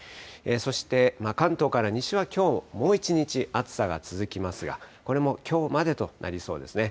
そして関東から西は、きょう、もう１日、暑さが続きますが、これもきょうまでとなりそうですね。